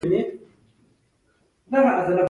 پلستر د دېوال د کلکوالي سبب کیږي په پښتو ژبه.